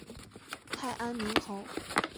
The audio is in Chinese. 太安明侯